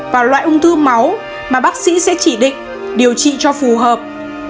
và loại ung thư máu mà bác sĩ sẽ chỉ định điều trị cho phù hợp